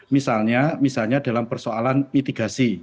misalnya misalnya dalam persoalan mitigasi